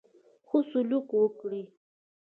ښه سلوک وکړي.